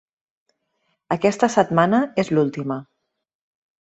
Aquesta setmana és l'última.